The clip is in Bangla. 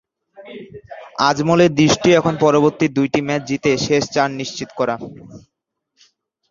আজমলের দৃষ্টিও এখন পরবর্তী দুইটি ম্যাচ জিতে শেষ চার নিশ্চিত করা।